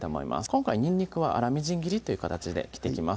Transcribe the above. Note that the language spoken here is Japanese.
今回にんにくは粗みじん切りという形で切っていきます